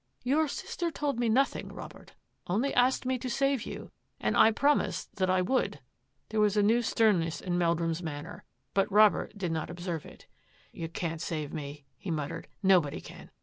"Your sister told me nothing, Robert; only asked me to save you, and I promised that I would." There was a new sternness in Meldrum's manner, but Robert did not observe it. " You can't save me," he muttered, " nobody can.